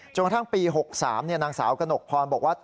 กระทั่งปี๖๓นางสาวกระหนกพรบอกว่า